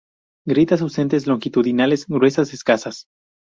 Grietas ausentes, longitudinales gruesas escasas.